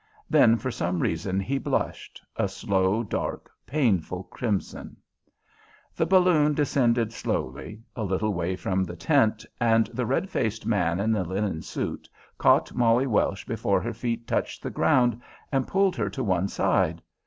Then, for some reason, he blushed a slow, dark, painful crimson. The balloon descended slowly, a little way from the tent, and the red faced man in the linen suit caught Molly Welch before her feet touched the ground, and pulled her to one side.